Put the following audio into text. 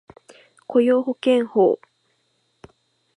雇用保険法